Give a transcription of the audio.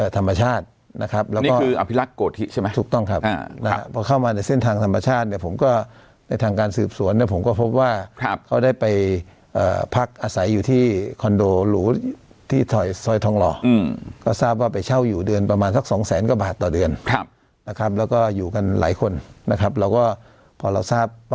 ธรรมชาตินะครับแล้วก็คืออภิรักษ์โกธิใช่ไหมถูกต้องครับนะฮะพอเข้ามาในเส้นทางธรรมชาติเนี่ยผมก็ในทางการสืบสวนเนี่ยผมก็พบว่าเขาได้ไปพักอาศัยอยู่ที่คอนโดหรูที่ซอยทองหล่อก็ทราบว่าไปเช่าอยู่เดือนประมาณสักสองแสนกว่าบาทต่อเดือนนะครับแล้วก็อยู่กันหลายคนนะครับเราก็พอเราทราบ